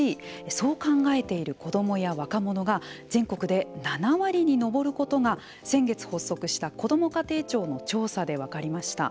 そう考えている子どもや若者が全国で７割に上ることが先月発足した、こども家庭庁の調査で分かりました。